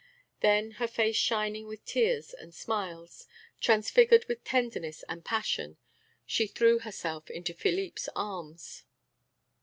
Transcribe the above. Then, her face shining with tears and smiles, transfigured with tenderness and passion, she threw herself into Philippe's arms.